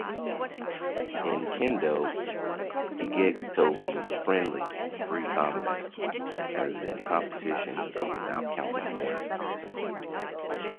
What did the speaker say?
In kendo, "jigeiko" means "friendly" free combat, as in competition, but without counting points.